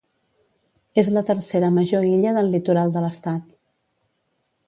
És la tercera major illa del litoral de l'estat.